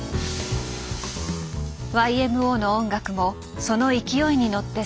ＹＭＯの音楽もその勢いに乗って世界へ進出。